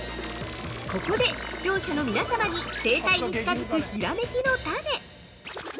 ◆ここで、視聴者の皆様に正解に近づく、ひらめきのタネ。